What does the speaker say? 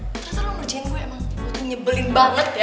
dan ternyata lo ngerjain gue emang lo tuh nyebelin banget ya